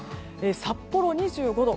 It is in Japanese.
札幌、２５度。